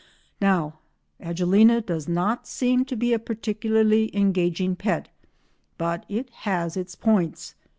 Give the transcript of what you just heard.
Now Agelena does not seem to be a particularly engaging pet, but it has its points.